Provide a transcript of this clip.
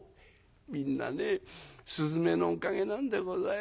「みんなね雀のおかげなんでございますよ。